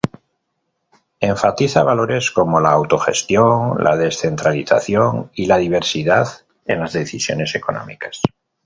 Enfatiza valores como la autogestión, la descentralización y la diversidad en las decisiones económicas.